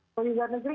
kalau di luar negeri